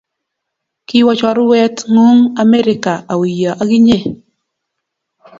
Kiwo chorwet ngung Amerika auyo akinye?.